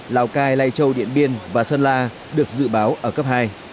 lào cai lai châu điện biên và sơn la được dự báo ở cấp hai